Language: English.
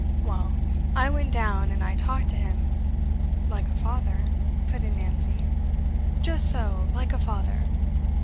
Well, I went down, and I talked to him ' 'Like a father,' put in Nancy. 'Just so, like a father.